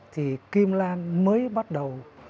thì kim lan mới bắt đầu